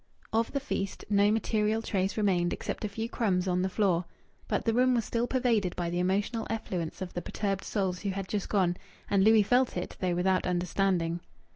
Of the feast no material trace remained except a few crumbs on the floor. But the room was still pervaded by the emotional effluence of the perturbed souls who had just gone; and Louis felt it, though without understanding.